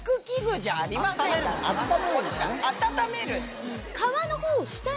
温める。